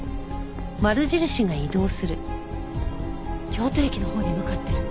京都駅のほうに向かってる。